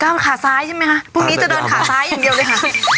ขาซ้ายใช่ไหมคะพรุ่งนี้จะเดินขาซ้ายอย่างเดียวเลยค่ะ